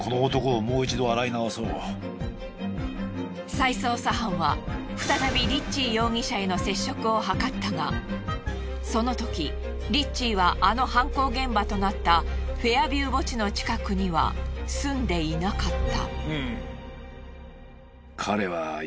再捜査班は再びリッチー容疑者への接触を図ったがそのときリッチーはあの犯行現場となったフェアビュー墓地の近くには住んでいなかった。